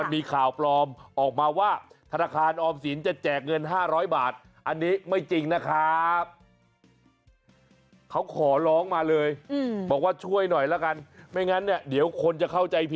ที่ตัดสินใจหนีออกจากบ้านคร้าบ